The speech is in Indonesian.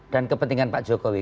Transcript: dan kepentingan pak jokowi